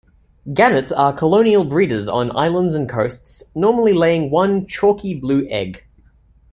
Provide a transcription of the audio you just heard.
Gannets are colonial breeders on islands and coasts, normally laying one chalky, blue egg.